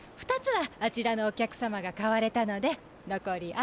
２つはあちらのお客様が買われたのでのこり